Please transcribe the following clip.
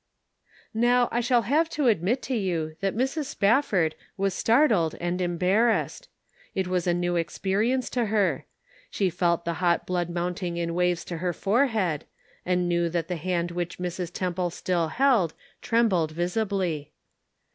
Perfect Love Castcth out Fear. 189 Now, I shall have to admit to you that Mrs. Spafford was startled and embarrassed. It was a new experience to her. She felt the hot blood mounting in waves to her fore head, and knew that the hand which Mrs. Temple still held trembled visibly.